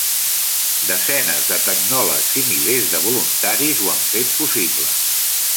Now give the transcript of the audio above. Desenes se tecnòlegs i milers de voluntaris ho han fet possible.